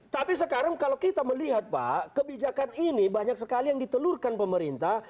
tapi sekarang kalau kita melihat pak kebijakan ini banyak sekali yang ditelurkan pemerintah